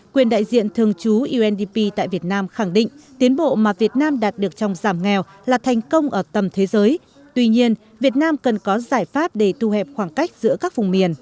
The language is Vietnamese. quyền đại diện thường trú undp tại việt nam khẳng định tiến bộ mà việt nam đạt được trong giảm nghèo là thành công ở tầm thế giới tuy nhiên việt nam cần có giải pháp để thu hẹp khoảng cách giữa các vùng miền